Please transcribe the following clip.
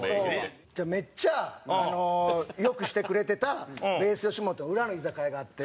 じゃあ、めっちゃ良くしてくれたｂａｓｅよしもとの裏の居酒屋があって。